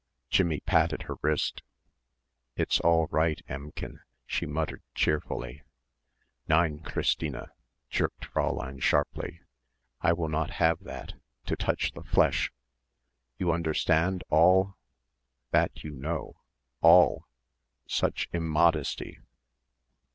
Jimmie patted her wrist, "It's all right, Emmchen," she muttered cheerfully. "Nein, Christina!" jerked Fräulein sharply. "I will not have that! To touch the flesh! You understand, all! That you know. All! Such immodesty!"